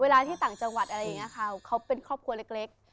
เวลาที่ต่างจังหวัดเขาเป็นครอบครัวเล็ก